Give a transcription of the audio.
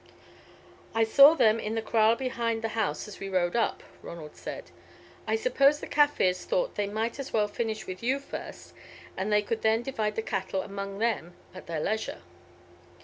"I saw them in the kraal behind the house as we rode up," Ronald said. "I suppose the Kaffirs thought they might as well finish with you first, and they could then divide the cattle among them at their leisure."